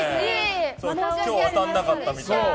今日は当たらなかったみたいでね。